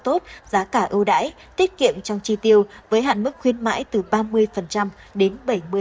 tốt giá cả ưu đãi tiết kiệm trong chi tiêu với hạn mức khuyến mãi từ ba mươi đến bảy mươi